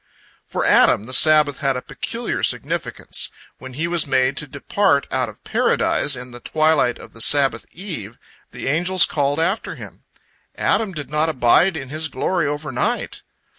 " For Adam the Sabbath had a peculiar significance. When he was made to depart out of Paradise in the twilight of the Sabbath eve, the angels called after him, "Adam did not abide in his glory overnight!"